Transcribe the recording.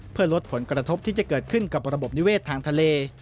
เพื่อลดผลกระทบที่จะเกิดขึ้นกับระบบนิเวศทางทะเล